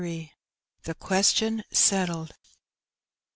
THE QUESTION SKITLSD.